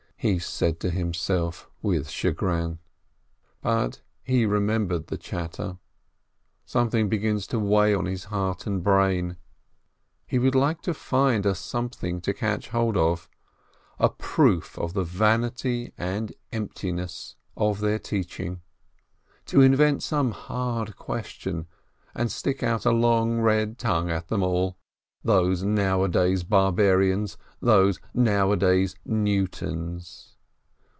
he said to himself with chagrin. But he remem bered the "chatter," something begins to weigh on his 322 PINSKI heart and brain, he would like to find a something to catch hold of, a proof of the vanity and emptiness of their teaching, to invent some hard question, and stick out a long red tongue at them all — those nowadays bar barians, those nowadays Newtons.